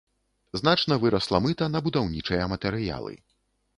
Значна вырасла мыта на будаўнічыя матэрыялы.